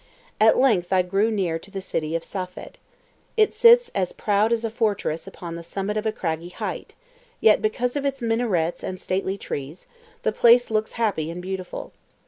At length I drew near to the city of Safed. It sits as proud as a fortress upon the summit of a craggy height; yet because of its minarets and stately trees, the place looks happy and beautiful.